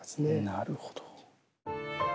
なるほど。